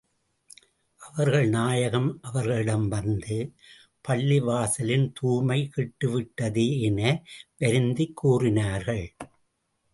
அவர்கள் நாயகம் அவர்களிடம் வந்து, பள்ளிவாசலின் தூய்மை கெட்டு விட்டதே என வருந்திக் கூறினார்கள்.